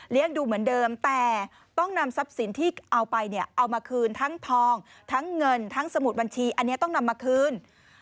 ดูเหมือนเดิมแต่ต้องนำทรัพย์สินที่เอาไปเนี่ยเอามาคืนทั้งทองทั้งเงินทั้งสมุดบัญชีอันนี้ต้องนำมาคืน